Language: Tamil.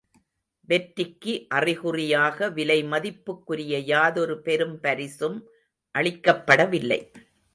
வெற்றிக்கு அறிகுறியாக விலை மதிப்புக்குரிய யாதொரு பெரும் பரிசும் அளிக்கப்படவில்லை.